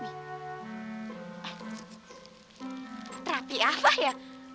eh terapi apa ya